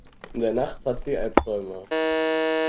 In der Nacht hat sie Alpträume.